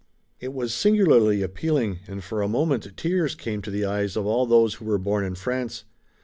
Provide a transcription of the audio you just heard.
It was singularly appealing, and for a moment tears came to the eyes of all those who were born in France.